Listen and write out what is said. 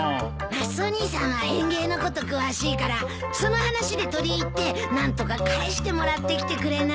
マスオ兄さんは園芸のこと詳しいからその話で取り入って何とか返してもらってきてくれない？